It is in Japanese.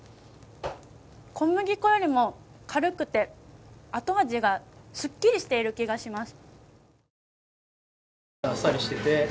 小麦粉よりも軽くて、後味がすっきりしている気がします。